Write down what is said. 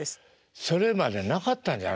それまでなかったんじゃないですか？